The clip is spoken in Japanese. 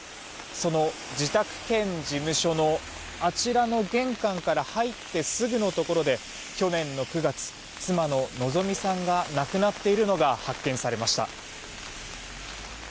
その自宅兼事務所の、あちらの玄関から入ってすぐのところで去年の９月、妻の希美さんが亡くなっているのが発見されました。